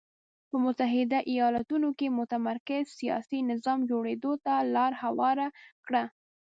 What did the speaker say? په متحده ایالتونو کې متمرکز سیاسي نظام جوړېدو ته لار هواره کړه.